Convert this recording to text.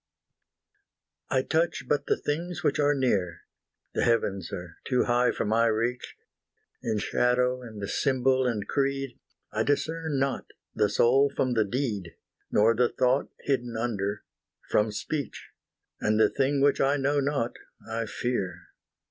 I touch but the things which are near; The heavens are too high for my reach: In shadow and symbol and creed, I discern not the soul from the deed, Nor the thought hidden under, from speech; And the thing which I know not I fear.